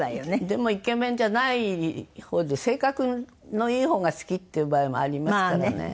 「でもイケメンじゃない方で性格のいい方が好きっていう場合もありますからね」